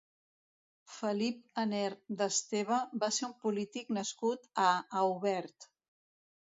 Felip Aner d'Esteve va ser un polític nascut a Aubèrt.